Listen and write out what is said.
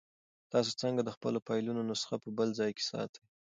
تاسو څنګه د خپلو فایلونو نسخه په بل ځای کې ساتئ؟